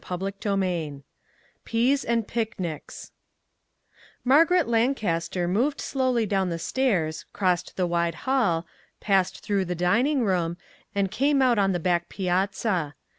181 CHAPTER XII PEAS AND PICNICS MARGARET LANCASTER moved slowly down the stairs, crossed the wide hall, passed through the dining room, and came out on the back piazza.